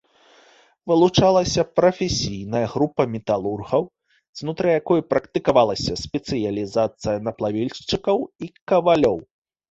Вылучалася прафесійная група металургаў, знутры якой практыкавалася спецыялізацыя на плавільшчыкаў і кавалёў.